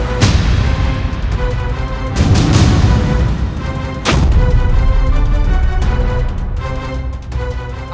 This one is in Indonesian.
kau akan menang